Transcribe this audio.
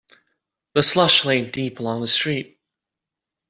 The slush lay deep along the street.